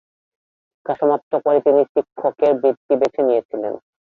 শিক্ষা সমাপ্ত করে তিনি শিক্ষকের বৃত্তি বেছে নিয়েছিলেন।